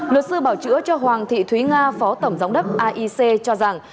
luật sư bảo chữa cho hoàng thị thúy nga phó tổng giám đốc aic cho rằng